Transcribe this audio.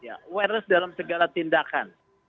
awareness dalam segala tindakan